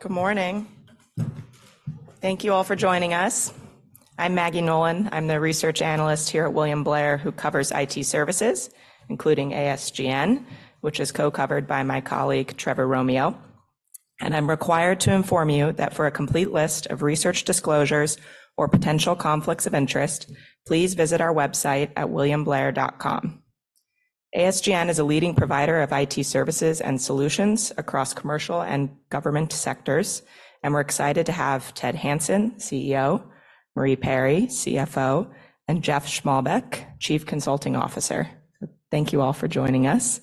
Good morning. Thank you all for joining us. I'm Maggie Nolan. I'm the research analyst here at William Blair, who covers IT services, including ASGN, which is co-covered by my colleague, Trevor Romeo. I'm required to inform you that for a complete list of research disclosures or potential conflicts of interest, please visit our website at williamblair.com. ASGN is a leading provider of IT services and solutions across commercial and government sectors, and we're excited to have Ted Hanson, CEO, Marie Perry, CFO, and Jeff Schmalbach, Chief Consulting Officer. Thank you all for joining us.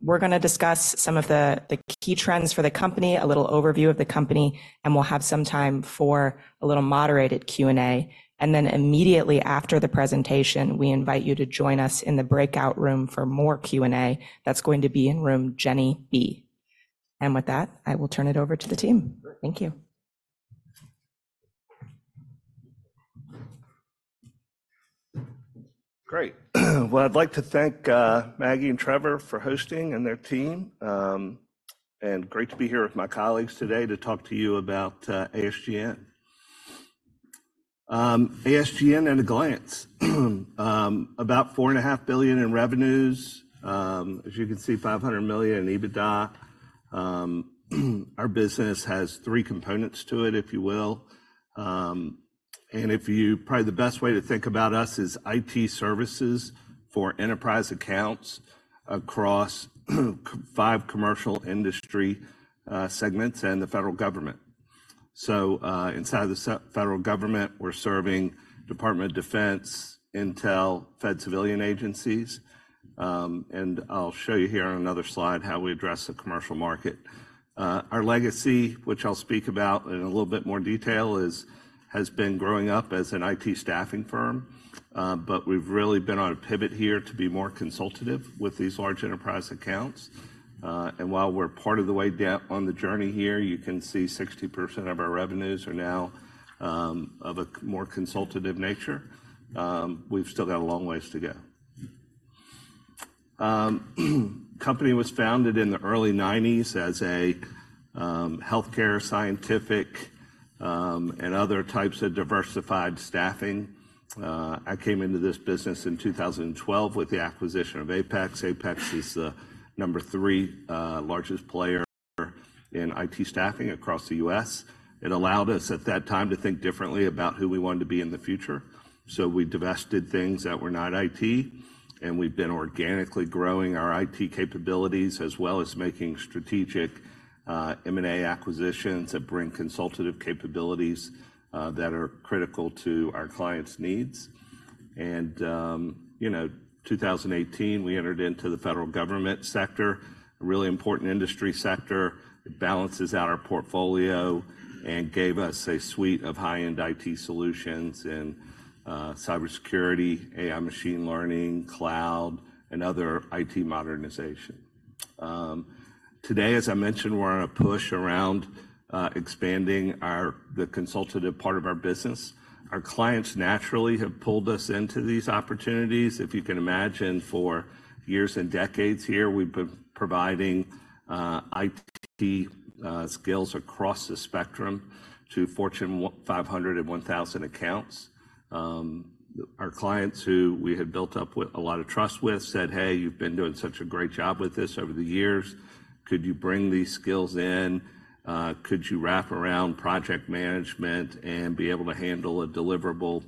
We're going to discuss some of the key trends for the company, a little overview of the company, and we'll have some time for a little moderated Q&A. Then immediately after the presentation, we invite you to join us in the breakout room for more Q&A. That's going to be in Room Jenney B. With that, I will turn it over to the team. Thank you. Great. Well, I'd like to thank Maggie and Trevor for hosting, and their team. And great to be here with my colleagues today to talk to you about ASGN. ASGN at a glance. About $4.5 billion in revenues. As you can see, $500 million in EBITDA. Our business has three components to it, if you will. And if you probably the best way to think about us is IT services for enterprise accounts across five commercial industry segments and the federal government. So, inside the federal government, we're serving Department of Defense, Intel, Fed Civilian agencies. And I'll show you here on another slide how we address the commercial market. Our legacy, which I'll speak about in a little bit more detail, is, has been growing up as an IT staffing firm. But we've really been on a pivot here to be more consultative with these large enterprise accounts. And while we're part of the way on the journey here, you can see 60% of our revenues are now of a more consultative nature. We've still got a long ways to go. Company was founded in the early 1990s as a healthcare, scientific, and other types of diversified staffing. I came into this business in 2012 with the acquisition of Apex. Apex is the number three largest player in IT staffing across the U.S. It allowed us at that time to think differently about who we wanted to be in the future. So we divested things that were not IT, and we've been organically growing our IT capabilities, as well as making strategic, M&A acquisitions that bring consultative capabilities, that are critical to our clients' needs. And, you know, 2018, we entered into the federal government sector, a really important industry sector. It balances out our portfolio and gave us a suite of high-end IT solutions in, cybersecurity, AI, machine learning, cloud, and other IT modernization. Today, as I mentioned, we're on a push around, expanding our, the consultative part of our business. Our clients naturally have pulled us into these opportunities. If you can imagine, for years and decades here, we've been providing, IT, skills across the spectrum to Fortune 500 and 1000 accounts. Our clients, who we had built up with a lot of trust with, said: "Hey, you've been doing such a great job with this over the years. Could you bring these skills in? Could you wrap around project management and be able to handle a deliverable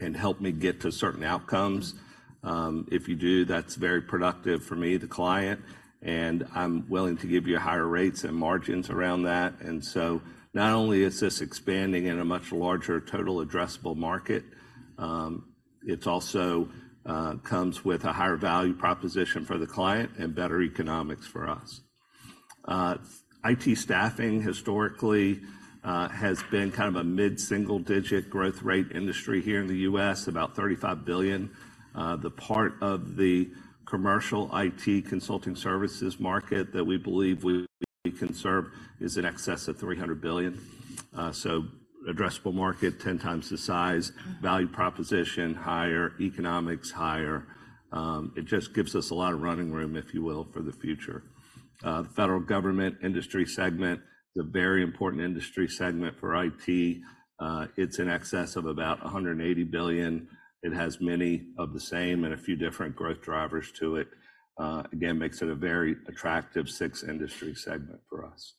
and help me get to certain outcomes? If you do, that's very productive for me, the client, and I'm willing to give you higher rates and margins around that." And so not only is this expanding in a much larger total addressable market, it's also comes with a higher value proposition for the client and better economics for us. IT staffing historically has been kind of a mid-single-digit growth rate industry here in the U.S., about $35 billion. The part of the commercial IT consulting services market that we believe we can serve is in excess of $300 billion. So addressable market, 10 times the size, value proposition, higher, economics, higher. It just gives us a lot of running room, if you will, for the future. The federal government industry segment is a very important industry segment for IT. It's in excess of about $180 billion. It has many of the same and a few different growth drivers to it. Again, makes it a very attractive six-industry segment for us.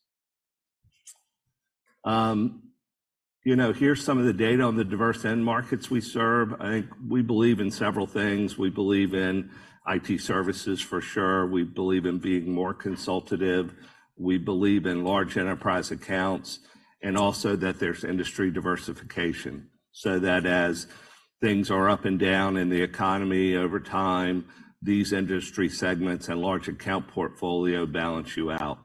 You know, here's some of the data on the diverse end markets we serve. I think we believe in several things. We believe in IT services for sure. We believe in being more consultative. We believe in large enterprise accounts, and also that there's industry diversification, so that as things are up and down in the economy over time, these industry segments and large account portfolio balance you out.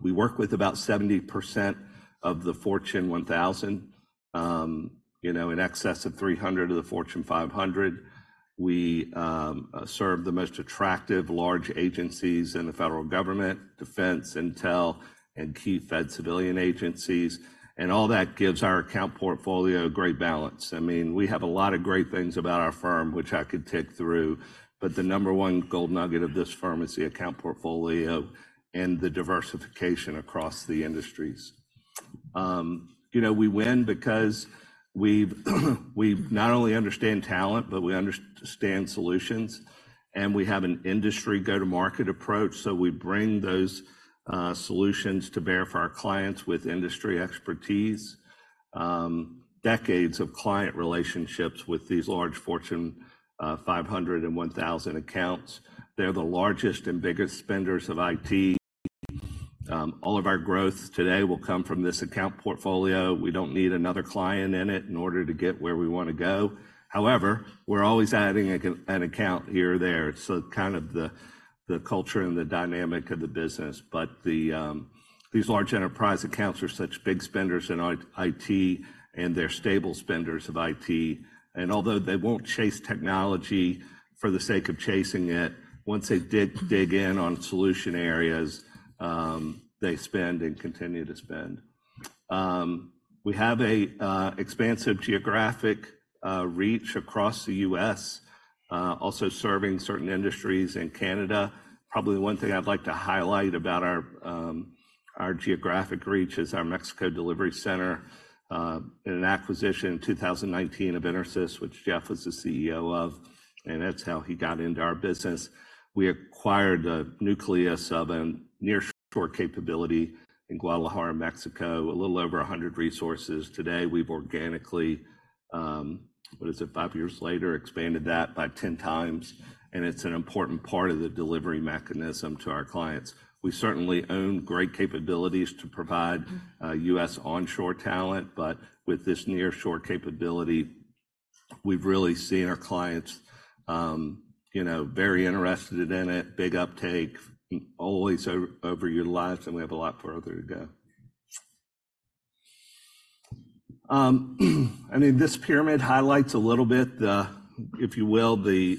We work with about 70% of the Fortune 1000, you know, in excess of 300 of the Fortune 500. We serve the most attractive large agencies in the federal government, defense, intel, and key fed civilian agencies, and all that gives our account portfolio a great balance. I mean, we have a lot of great things about our firm, which I could tick through, but the number one gold nugget of this firm is the account portfolio and the diversification across the industries. You know, we win because we've, we not only understand talent, but we understand solutions, and we have an industry go-to-market approach. So we bring those solutions to bear for our clients with industry expertise. Decades of client relationships with these large Fortune 500 and 1000 accounts. They're the largest and biggest spenders of IT. All of our growth today will come from this account portfolio. We don't need another client in it in order to get where we wanna go. However, we're always adding an account here or there, so kind of the culture and the dynamic of the business. But these large enterprise accounts are such big spenders in IT, and they're stable spenders of IT. And although they won't chase technology for the sake of chasing it, once they dig in on solution areas, they spend and continue to spend. We have an expansive geographic reach across the U.S., also serving certain industries in Canada. Probably one thing I'd like to highlight about our geographic reach is our Mexico delivery center. In an acquisition in 2019 of Intersys, which Jeff was the CEO of, and that's how he got into our business. We acquired a nucleus of a nearshore capability in Guadalajara, Mexico, a little over 100 resources. Today, we've organically 5 years later expanded that by 10 times, and it's an important part of the delivery mechanism to our clients. We certainly own great capabilities to provide- Mm-hmm. U.S. onshore talent, but with this nearshore capability, we've really seen our clients, you know, very interested in it, big uptake, always over your lives, and we have a lot further to go. I mean, this pyramid highlights a little bit the, if you will, the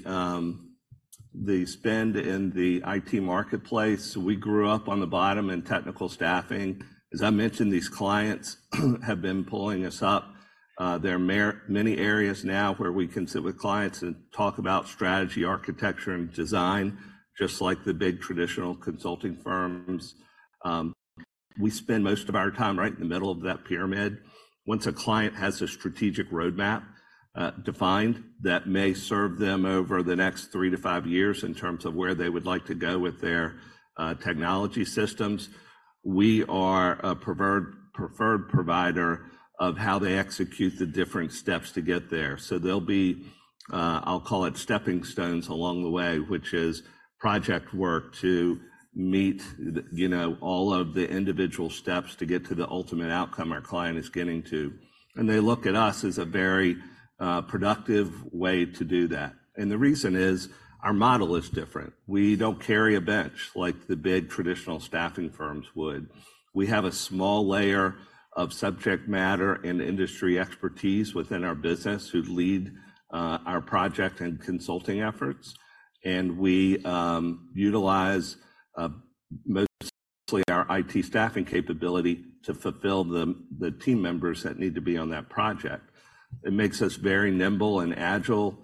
spend in the IT marketplace. We grew up on the bottom in technical staffing. As I mentioned, these clients have been pulling us up. There are many areas now where we can sit with clients and talk about strategy, architecture, and design, just like the big traditional consulting firms. We spend most of our time right in the middle of that pyramid. Once a client has a strategic roadmap defined, that may serve them over the next 3-5 years in terms of where they would like to go with their technology systems, we are a preferred provider of how they execute the different steps to get there. So there'll be, I'll call it stepping stones along the way, which is project work to meet, you know, all of the individual steps to get to the ultimate outcome our client is getting to. And they look at us as a very productive way to do that. And the reason is, our model is different. We don't carry a bench like the big traditional staffing firms would. We have a small layer of subject matter and industry expertise within our business who lead our project and consulting efforts, and we utilize mostly our IT staffing capability to fulfill the team members that need to be on that project. It makes us very nimble and agile.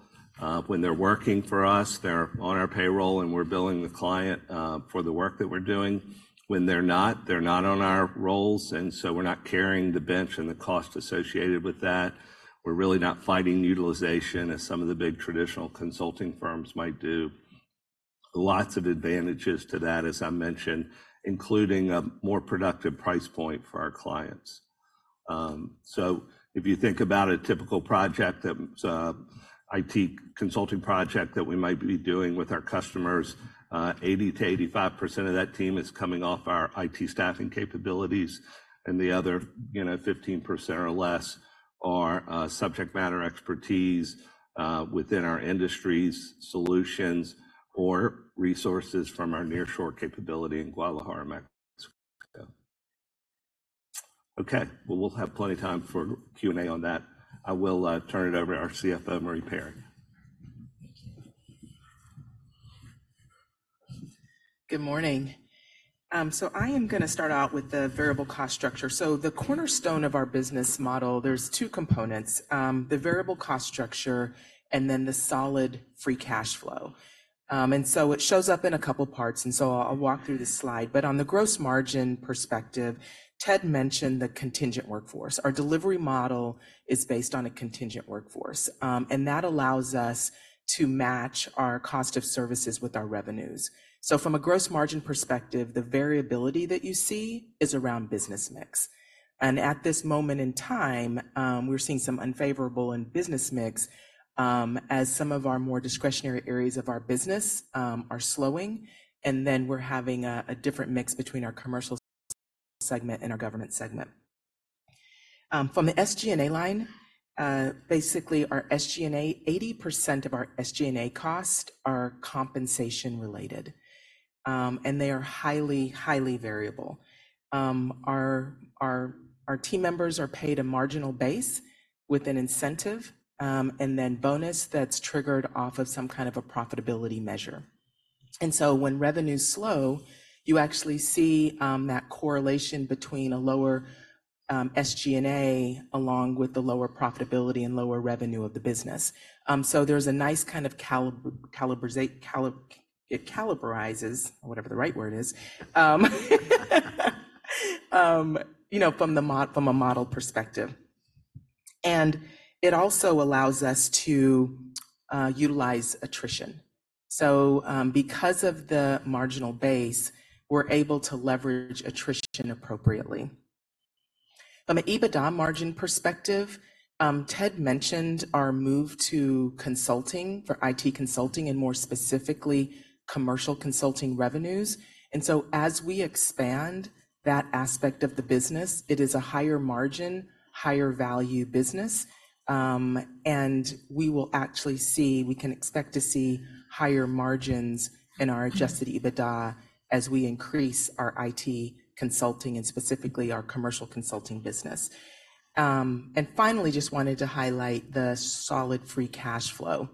When they're working for us, they're on our payroll, and we're billing the client for the work that we're doing. When they're not, they're not on our rolls, and so we're not carrying the bench and the cost associated with that. We're really not fighting utilization as some of the big traditional consulting firms might do. Lots of advantages to that, as I mentioned, including a more productive price point for our clients. So if you think about a typical project, IT consulting project that we might be doing with our customers, 80%-85% of that team is coming off our IT staffing capabilities, and the other, you know, 15% or less are subject matter expertise within our industries, solutions, or resources from our nearshore capability in Guadalajara, Mexico. Okay, well, we'll have plenty of time for Q&A on that. I will turn it over to our CFO, Marie Perry. Thank you. Good morning. So I am gonna start out with the variable cost structure. The cornerstone of our business model, there's two components: the variable cost structure and then the solid free cash flow. And so it shows up in a couple parts, and so I'll walk through this slide. But on the gross margin perspective, Ted mentioned the contingent workforce. Our delivery model is based on a contingent workforce, and that allows us to match our cost of services with our revenues. So from a gross margin perspective, the variability that you see is around business mix. And at this moment in time, we're seeing some unfavorable in business mix, as some of our more discretionary areas of our business are slowing, and then we're having a different mix between our commercial segment and our government segment. From the SG&A line, basically, our SG&A, 80% of our SG&A costs are compensation related, and they are highly, highly variable. Our team members are paid a marginal base with an incentive, and then bonus that's triggered off of some kind of a profitability measure. And so when revenues slow, you actually see that correlation between a lower SG&A, along with the lower profitability and lower revenue of the business. So there's a nice kind of calibrates, whatever the right word is, you know, from a model perspective... And it also allows us to utilize attrition. So, because of the marginal base, we're able to leverage attrition appropriately. From an EBITDA margin perspective, Ted mentioned our move to consulting for IT consulting, and more specifically, commercial consulting revenues. And so as we expand that aspect of the business, it is a higher margin, higher value business, and we will actually see- we can expect to see higher margins in our adjusted EBITDA as we increase our IT consulting, and specifically our commercial consulting business. And finally, just wanted to highlight the solid free cash flow.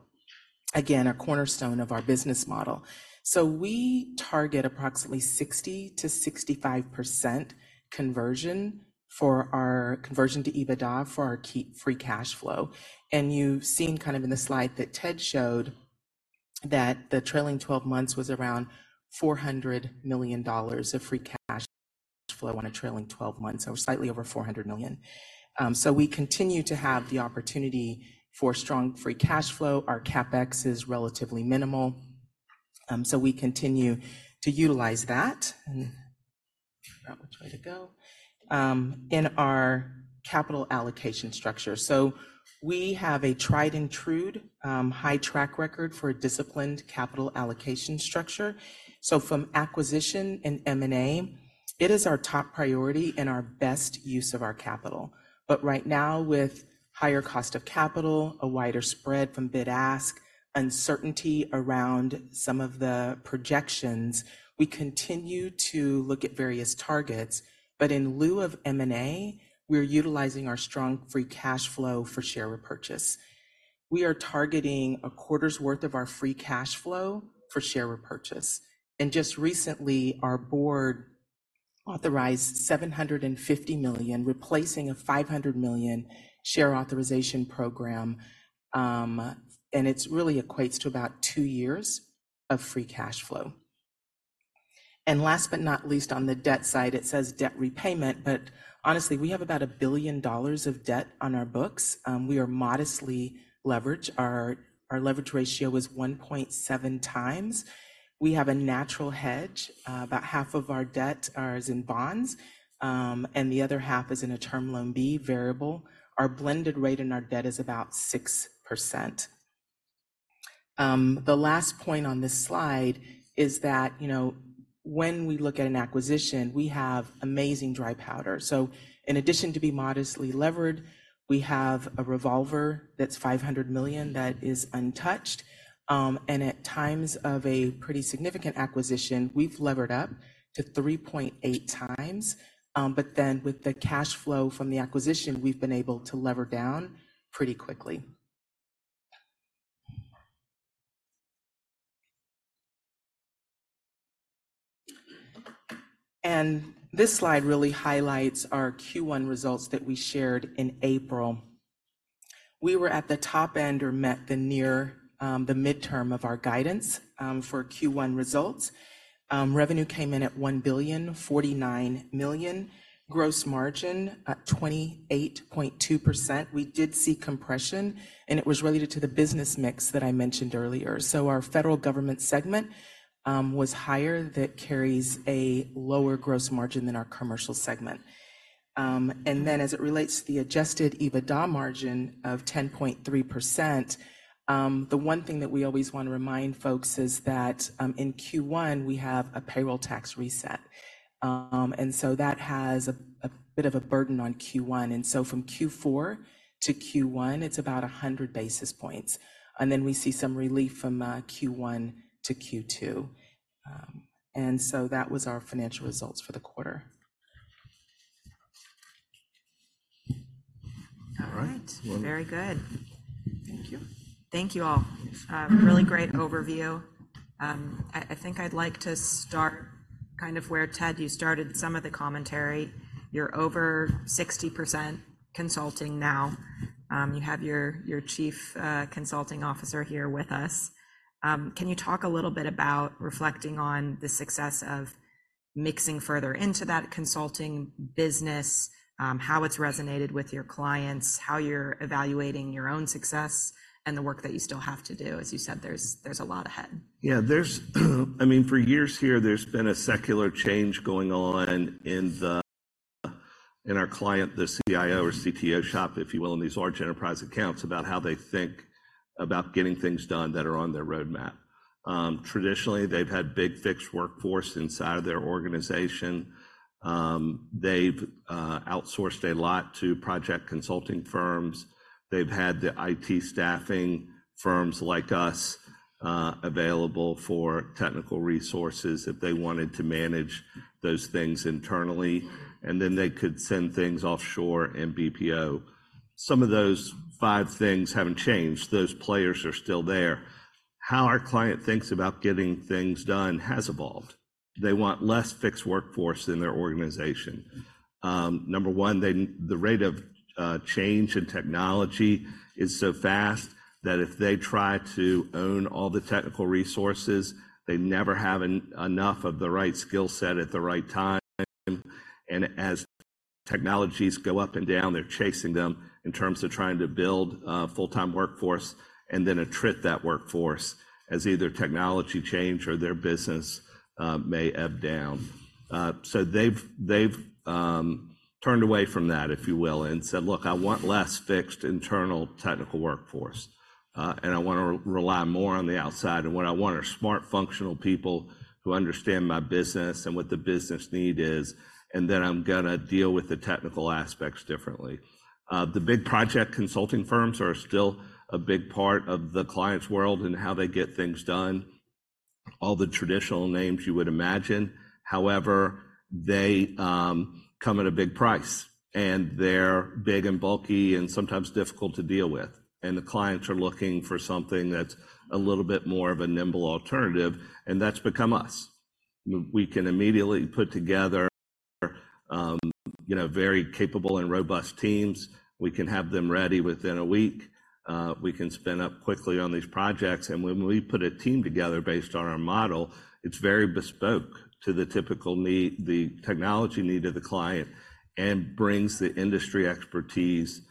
Again, a cornerstone of our business model. So we target approximately 60%-65% conversion for our conversion to EBITDA for our key free cash flow. And you've seen kind of in the slide that Ted showed, that the trailing twelve months was around $400 million of free cash flow on a trailing twelve months, or slightly over $400 million. So we continue to have the opportunity for strong free cash flow. Our CapEx is relatively minimal, so we continue to utilize that. In our capital allocation structure. We have a tried and true high track record for a disciplined capital allocation structure. From acquisition and M&A, it is our top priority and our best use of our capital. But right now, with higher cost of capital, a wider spread from bid-ask, uncertainty around some of the projections, we continue to look at various targets, but in lieu of M&A, we're utilizing our strong free cash flow for share repurchase. We are targeting a quarter's worth of our free cash flow for share repurchase. And just recently, our board authorized $750 million, replacing a $500 million share authorization program, and it's really equates to about two years of free cash flow. And last but not least, on the debt side, it says debt repayment, but honestly, we have about $1 billion of debt on our books. We are modestly leveraged. Our, our leverage ratio is 1.7 times. We have a natural hedge. About half of our debt are as in bonds, and the other half is in a Term Loan B variable. Our blended rate in our debt is about 6%. The last point on this slide is that, you know, when we look at an acquisition, we have amazing dry powder. So in addition to be modestly levered, we have a revolver that's $500 million, that is untouched. At times of a pretty significant acquisition, we've levered up to 3.8x. But then with the cash flow from the acquisition, we've been able to lever down pretty quickly. This slide really highlights our Q1 results that we shared in April. We were at the top end or met the midterm of our guidance for Q1 results. Revenue came in at $1,049 million, gross margin at 28.2%. We did see compression, and it was related to the business mix that I mentioned earlier. Our federal government segment was higher. That carries a lower gross margin than our commercial segment. And then as it relates to the adjusted EBITDA margin of 10.3%, the one thing that we always want to remind folks is that, in Q1, we have a payroll tax reset. And so that has a, a bit of a burden on Q1. And so from Q4 to Q1, it's about 100 basis points, and then we see some relief from Q1 to Q2. And so that was our financial results for the quarter. All right. Very good. Thank you. Thank you all. Really great overview. I think I'd like to start kind of where, Ted, you started some of the commentary. You're over 60% consulting now. You have your Chief Consulting Officer here with us. Can you talk a little bit about reflecting on the success of mixing further into that consulting business, how it's resonated with your clients, how you're evaluating your own success and the work that you still have to do? As you said, there's a lot ahead. Yeah, I mean, for years here, there's been a secular change going on in the, in our client, the CIO or CTO shop, if you will, in these large enterprise accounts, about how they think about getting things done that are on their roadmap. Traditionally, they've had big fixed workforce inside of their organization. They've outsourced a lot to project consulting firms. They've had the IT staffing firms like us available for technical resources if they wanted to manage those things internally, and then they could send things offshore and BPO. Some of those five things haven't changed. Those players are still there. How our client thinks about getting things done has evolved. They want less fixed workforce in their organization. Number one, the rate of change in technology is so fast that if they try to own all the technical resources, they never have enough of the right skill set at the right time. And as technologies go up and down, they're chasing them in terms of trying to build a full-time workforce and then attrit that workforce as either technology change or their business may ebb down. So they've turned away from that, if you will, and said: Look, I want less fixed internal technical workforce, and I wanna rely more on the outside. And what I want are smart, functional people who understand my business and what the business need is, and then I'm gonna deal with the technical aspects differently. The big project consulting firms are still a big part of the client's world and how they get things done. All the traditional names you would imagine. However, they come at a big price, and they're big and bulky and sometimes difficult to deal with, and the clients are looking for something that's a little bit more of a nimble alternative, and that's become us. We can immediately put together, you know, very capable and robust teams. We can have them ready within a week. We can spin up quickly on these projects, and when we put a team together based on our model, it's very bespoke to the typical need, the technology need of the client, and brings the industry expertise,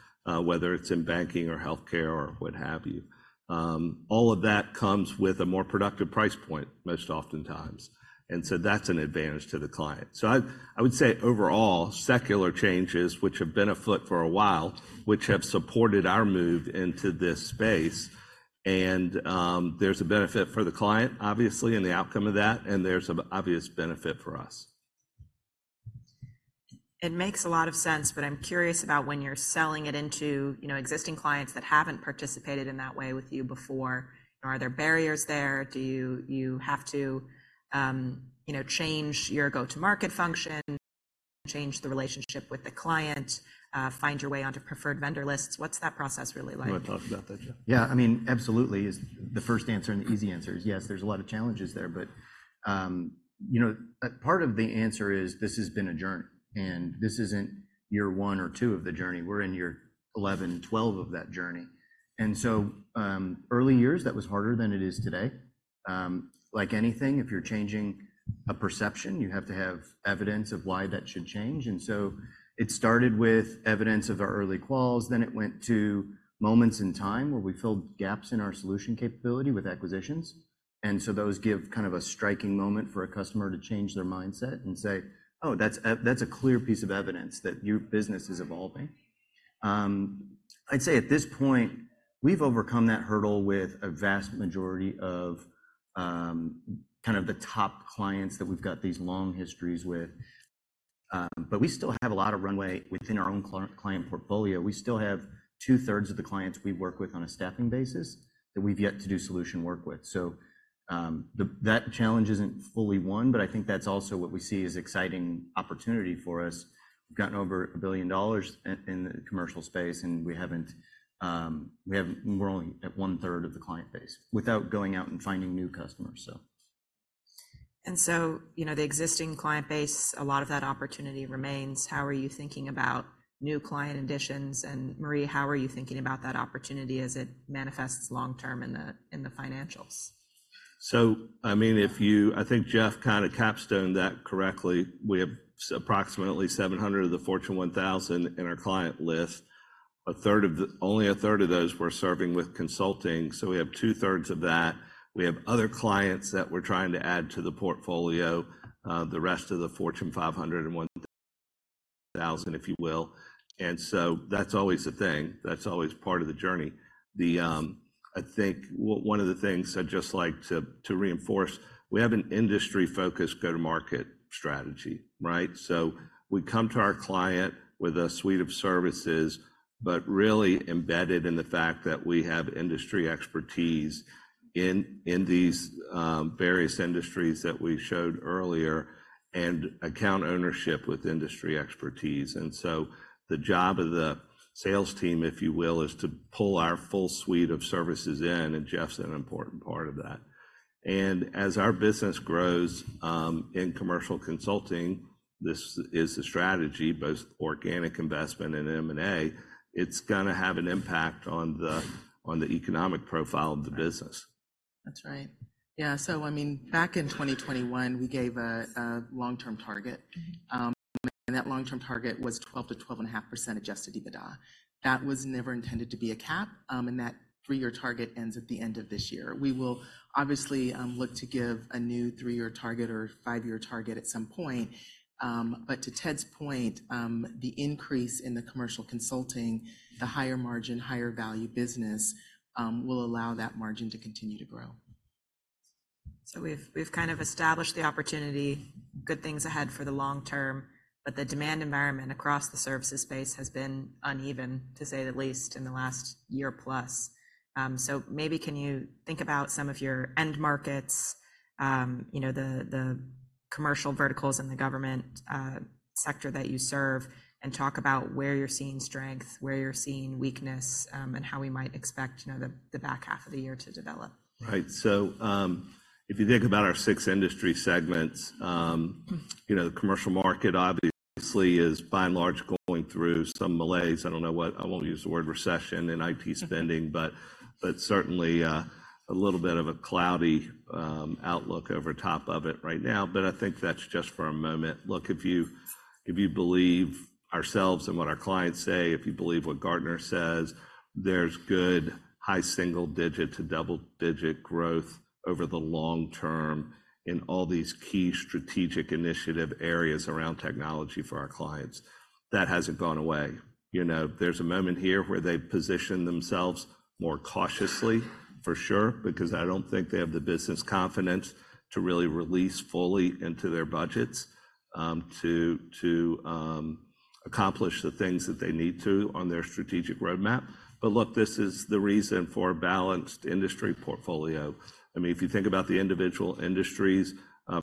whether it's in banking or healthcare or what have you. All of that comes with a more productive price point, most oftentimes, and so that's an advantage to the client. So I would say overall, secular changes, which have been afoot for a while, which have supported our move into this space, and there's a benefit for the client, obviously, in the outcome of that, and there's an obvious benefit for us. It makes a lot of sense, but I'm curious about when you're selling it into, you know, existing clients that haven't participated in that way with you before. Are there barriers there? Do you have to, you know, change your go-to-market function, change the relationship with the client, find your way onto preferred vendor lists? What's that process really like? You wanna talk about that, Jeff? Yeah, I mean, absolutely is the first answer and the easy answer is yes, there's a lot of challenges there. But, you know, a part of the answer is this has been a journey, and this isn't year one or two of the journey. We're in year 11, 12 of that journey. And so, early years, that was harder than it is today. Like anything, if you're changing a perception, you have to have evidence of why that should change. And so it started with evidence of our early quals, then it went to moments in time where we filled gaps in our solution capability with acquisitions. And so those give kind of a striking moment for a customer to change their mindset and say: Oh, that's a clear piece of evidence that your business is evolving. I'd say at this point, we've overcome that hurdle with a vast majority of kind of the top clients that we've got these long histories with. But we still have a lot of runway within our own client portfolio. We still have two-thirds of the clients we work with on a staffing basis that we've yet to do solution work with. So, that challenge isn't fully won, but I think that's also what we see as exciting opportunity for us. We've gotten over $1 billion in the commercial space, and we haven't—we're only at one-third of the client base without going out and finding new customers, so. You know, the existing client base, a lot of that opportunity remains. How are you thinking about new client additions? And Marie, how are you thinking about that opportunity as it manifests long term in the financials? So, I mean, if you, I think Jeff kind of capstoned that correctly. We have approximately 700 of the Fortune 1000 in our client list. A third of those. Only a third of those we're serving with consulting, so we have two-thirds of that. We have other clients that we're trying to add to the portfolio, the rest of the Fortune 500 and 1000, if you will. So that's always a thing. That's always part of the journey. I think one of the things I'd just like to reinforce, we have an industry-focused go-to-market strategy, right? So we come to our client with a suite of services, but really embedded in the fact that we have industry expertise in these various industries that we showed earlier and account ownership with industry expertise. So the job of the sales team, if you will, is to pull our full suite of services in, and Jeff's an important part of that. As our business grows in commercial consulting, this is the strategy, both organic investment and M&A, it's gonna have an impact on the economic profile of the business. That's right. Yeah, so I mean, back in 2021, we gave a long-term target, and that long-term target was 12%-12.5% adjusted EBITDA. That was never intended to be a cap, and that three-year target ends at the end of this year. We will obviously look to give a new three-year target or five-year target at some point. But to Ted's point, the increase in the commercial consulting, the higher margin, higher value business, will allow that margin to continue to grow. So we've kind of established the opportunity, good things ahead for the long term, but the demand environment across the services space has been uneven, to say the least, in the last year plus. So maybe can you think about some of your end markets, you know, the commercial verticals in the government sector that you serve, and talk about where you're seeing strength, where you're seeing weakness, and how we might expect, you know, the back half of the year to develop. Right. So, if you think about our six industry segments, you know, the commercial market obviously is by and large going through some malaise. I don't know what. I won't use the word recession in IT spending, but, but certainly, a little bit of a cloudy, outlook over top of it right now, but I think that's just for a moment. Look, if you, if you believe ourselves and what our clients say, if you believe what Gartner says, there's good high single digit to double digit growth over the long term in all these key strategic initiative areas around technology for our clients. That hasn't gone away. You know, there's a moment here where they position themselves more cautiously, for sure, because I don't think they have the business confidence to really release fully into their budgets, to accomplish the things that they need to on their strategic roadmap. But look, this is the reason for a balanced industry portfolio. I mean, if you think about the individual industries,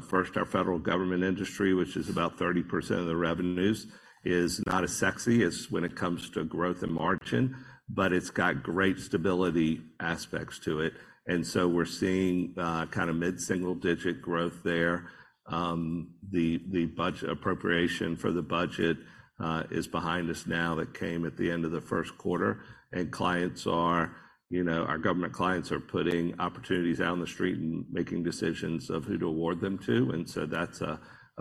first, our federal government industry, which is about 30% of the revenues, is not as sexy as when it comes to growth and margin, but it's got great stability aspects to it, and so we're seeing mid-single-digit growth there. The budget appropriation for the budget is behind us now. That came at the end of the first quarter, and clients are, you know, our government clients are putting opportunities out on the street and making decisions of who to award them to, and so that's a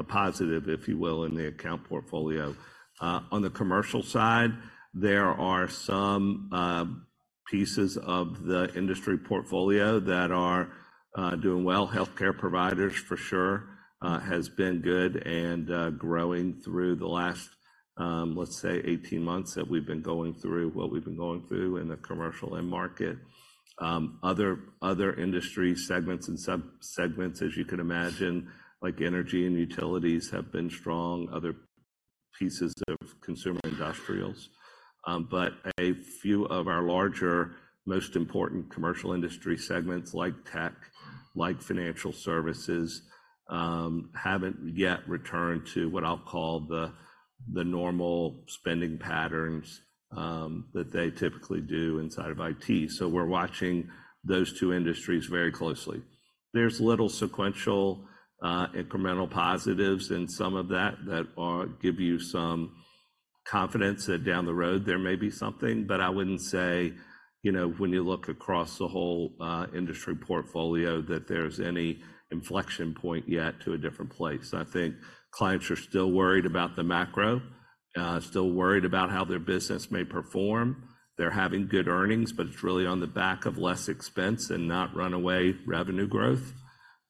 positive, if you will, in the account portfolio. On the commercial side, there are some pieces of the industry portfolio that are doing well. Healthcare providers, for sure, has been good and growing through the last, let's say, 18 months that we've been going through what we've been going through in the commercial end market. Other industry segments and sub-segments, as you could imagine, like energy and utilities, have been strong, other pieces of consumer industrials. But a few of our larger, most important commercial industry segments like tech, like financial services, haven't yet returned to what I'll call the normal spending patterns that they typically do inside of IT, so we're watching those two industries very closely. There's little sequential, incremental positives in some of that that give you some confidence that down the road there may be something. But I wouldn't say, you know, when you look across the whole industry portfolio, that there's any inflection point yet to a different place. I think clients are still worried about the macro, still worried about how their business may perform. They're having good earnings, but it's really on the back of less expense and not runaway revenue growth.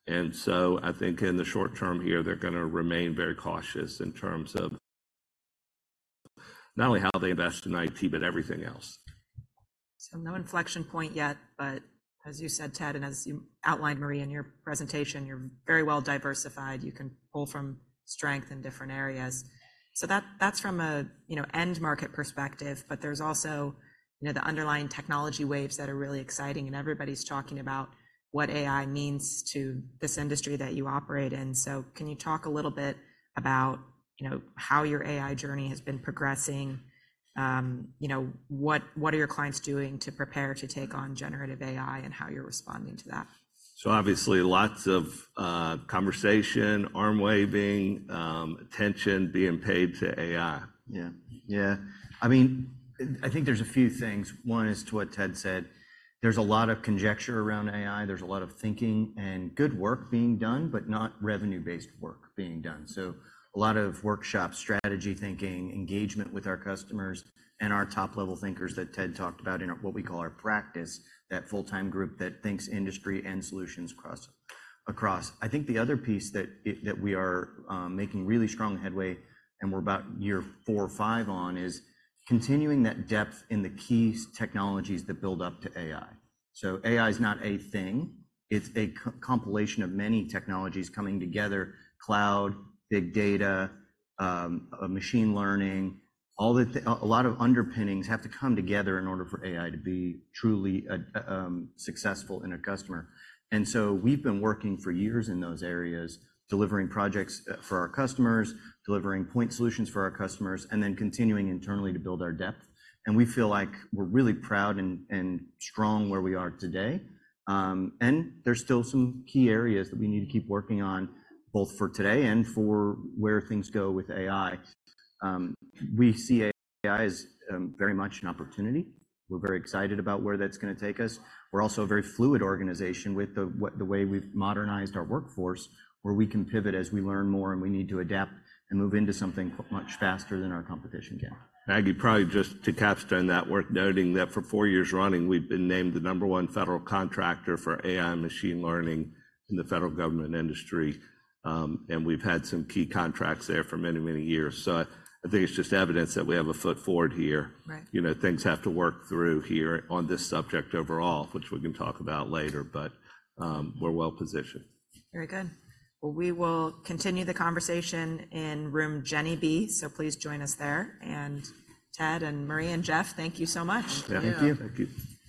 And so I think in the short term here, they're gonna remain very cautious in terms of not only how they invest in IT, but everything else. So no inflection point yet, but as you said, Ted, and as you outlined, Marie, in your presentation, you're very well diversified. You can pull from strength in different areas. So that, that's from a, you know, end market perspective, but there's also, you know, the underlying technology waves that are really exciting, and everybody's talking about what AI means to this industry that you operate in. So can you talk a little bit about, you know, how your AI journey has been progressing? You know, what, what are your clients doing to prepare to take on generative AI and how you're responding to that? Obviously, lots of conversation, arm waving, attention being paid to AI. Yeah. Yeah. I mean, I think there's a few things. One is to what Ted said, there's a lot of conjecture around AI. There's a lot of thinking and good work being done, but not revenue-based work being done. So a lot of workshop strategy thinking, engagement with our customers and our top-level thinkers that Ted talked about in our, what we call our practice, that full-time group that thinks industry and solutions cross, across. I think the other piece that we are making really strong headway, and we're about year 4 or 5 on, is continuing that depth in the key technologies that build up to AI. So AI is not a thing; it's a co-compilation of many technologies coming together: cloud, big data, machine learning. A lot of underpinnings have to come together in order for AI to be truly a successful in a customer. And so we've been working for years in those areas, delivering projects for our customers, delivering point solutions for our customers, and then continuing internally to build our depth. And we feel like we're really proud and, and strong where we are today. And there's still some key areas that we need to keep working on, both for today and for where things go with AI. We see AI as very much an opportunity. We're very excited about where that's gonna take us. We're also a very fluid organization with the way we've modernized our workforce, where we can pivot as we learn more, and we need to adapt and move into something much faster than our competition can. Maggie, probably just to capstone that, worth noting that for four years running, we've been named the number one federal contractor for AI machine learning in the federal government industry. And we've had some key contracts there for many, many years. So I think it's just evidence that we have a foot forward here. Right. You know, things have to work through here on this subject overall, which we can talk about later, but, we're well-positioned. Very good. Well, we will continue the conversation in room Jenney B, so please join us there. Ted and Marie and Jeff, thank you so much. Thank you. Thank you. Thank you.